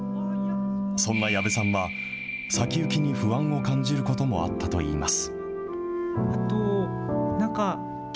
そんな矢部さんは、先行きに不安を感じることもあったといいます。